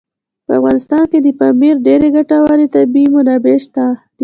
په افغانستان کې د پامیر ډېرې ګټورې طبعي منابع شته دي.